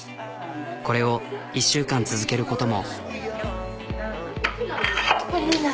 これを１週間続けることも。